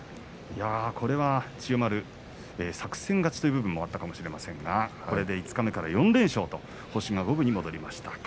これは千代丸作戦勝ちという部分もあったかもしれませんがこれで五日目から４連勝と星が五分に戻りました。